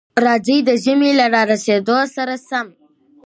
راځئ، د ژمي له را رسېدو سره سم،